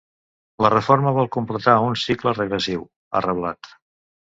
La reforma vol completar un cicle regressiu, ha reblat.